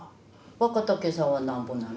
若竹さんはなんぼなの？